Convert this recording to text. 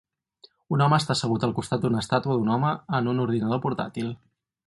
Un home està assegut al costat d'una estàtua d'un home en un ordinador portàtil.